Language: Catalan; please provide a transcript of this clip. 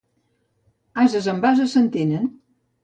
Ases amb ases s'entenen.